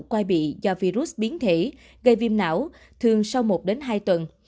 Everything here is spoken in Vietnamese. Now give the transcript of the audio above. quai bị do virus biến thể gây viêm não thường sau một hai tuần